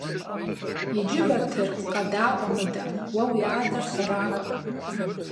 Иджы, Батыр, къэдаӀуэ мыдэ: уэ уи адэр сэракъым.